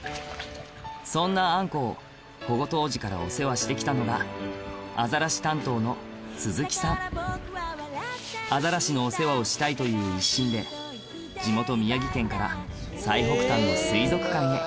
そんなあん子を保護当時からお世話して来たのがアザラシのお世話をしたいという一心でそこからもう。